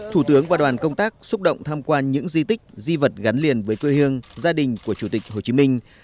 thủ tướng và đoàn công tác xúc động tham quan những di tích di vật gắn liền với quê hương gia đình của chủ tịch hồ chí minh